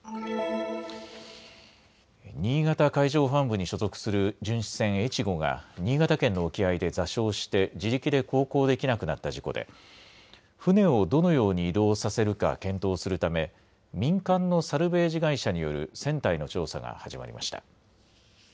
新潟海上保安部に所属する巡視船えちごが新潟県の沖合で座礁して自力で航行できなくなった事故で船をどのように移動させるか検討するため民間のサルベージ会社による船体の調査が始まりました。